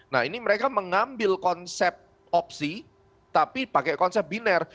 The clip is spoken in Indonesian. nah ini mereka mengambil konsep opsi tapi pakai konsep biner